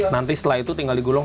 nanti setelah itu tinggal digulung